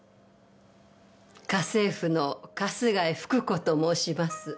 家政婦の春日井福子と申します。